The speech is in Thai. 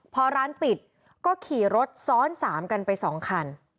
พอร้านปิดก็ขี่รถซ้อน๓กันไป๒คัน